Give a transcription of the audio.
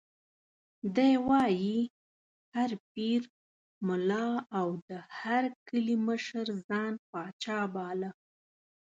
دی وایي: هر پیر، ملا او د هر کلي مشر ځان پاچا باله.